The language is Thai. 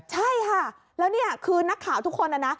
ใช่ค่ะแล้วนี่คือนักข่าวทุกคนนะนะ